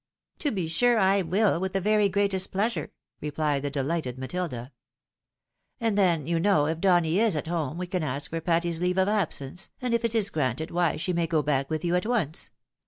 "To be sure I will, with the very greatest pleasure," re plied the deUghted Matilda. " And then, you know, if Donny is at home, we can ask for Patty's leave of absence, and if it is granted, why she may go back with you at once.